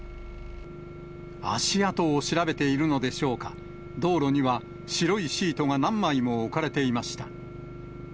足跡を調べているのでしょうか、道路には白いシートが何枚も置かれていました。